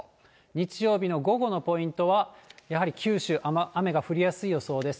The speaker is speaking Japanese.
日曜日の午後のポイントは、やはり九州、雨が降りやすい予想です。